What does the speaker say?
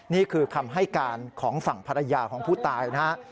นี่คือคำให้การของฝั่งภรรยาของผู้ตายนะครับ